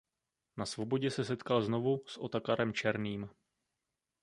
Na svobodě se setkal znovu s Otakarem Černým.